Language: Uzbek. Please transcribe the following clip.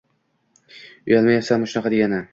Uyalmaysanmi shunaqa degani?